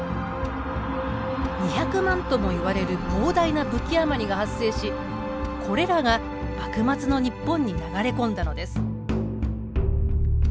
２００万ともいわれる膨大な武器余りが発生しこれらが幕末の日本に流れ込んだのです。